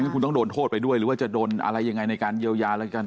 คุณต้องโดนโทษไปด้วยหรือว่าจะโดนอะไรยังไงในการเยียวยาอะไรกัน